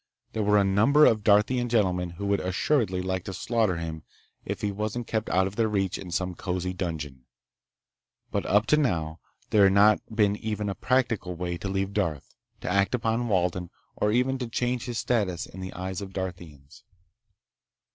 There were a number of Darthian gentlemen who would assuredly like to slaughter him if he wasn't kept out of their reach in some cozy dungeon. But up to now there had been not even a practical way to leave Darth, to act upon Walden, or even to change his status in the eyes of Darthians.